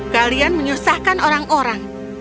kalian menyusahkan orang orang